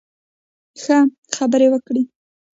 ښه، خبرې وکړئ